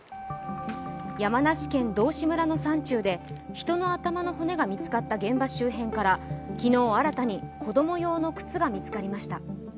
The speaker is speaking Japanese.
山梨県道志村の山中で人の頭の骨が見つかった現場周辺から昨日、新たに子ども用の靴が見つかりました。